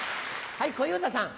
はい小遊三さん。